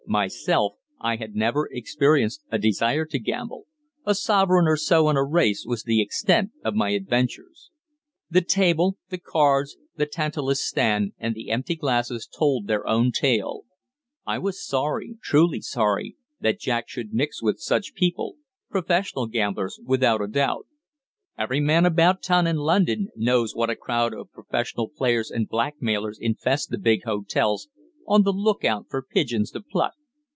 Myself, I had never experienced a desire to gamble. A sovereign or so on a race was the extent of my adventures. The table, the cards, the tantalus stand and the empty glasses told their own tale. I was sorry, truly sorry, that Jack should mix with such people professional gamblers, without a doubt. Every man about town in London knows what a crowd of professional players and blackmailers infest the big hotels, on the look out for pigeons to pluck.